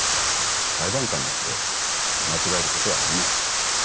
裁判官だって間違えることはあります。